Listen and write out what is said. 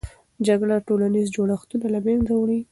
جګړه ټولنیز جوړښتونه له منځه وړي.